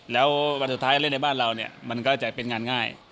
แล้ววันสุดท้ายเล่นในบ้านเราเนี่ยมันก็จะเป็นงานง่าย